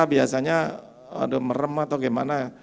biasanya merem atau gimana